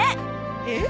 えっ？